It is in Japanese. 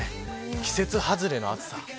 季節外れの暑さです。